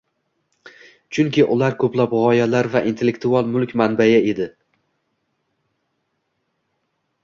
Chunki ular koʻplab gʻoyalar va intellektual mulk manbai edi.